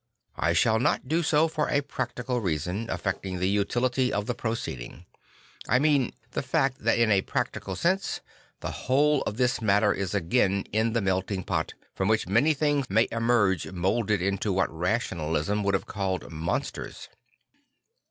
I shall not do so for a practical reason affecting the utility of the proceeding; I mean the fact that in a practical sense the whole of this matter is again in the melting pot, from which many things may emerge moulded into what rationalism would have called monsters.